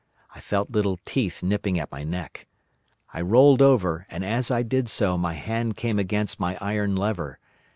I felt little teeth nipping at my neck. I rolled over, and as I did so my hand came against my iron lever.